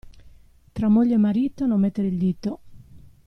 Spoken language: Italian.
Tra moglie e marito non mettere il dito.